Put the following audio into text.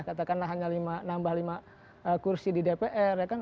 katakanlah hanya nambah lima kursi di dpr ya kan